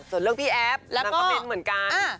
ส่วนเรื่องพี่แอฟนางก็เม้นเหมือนกัน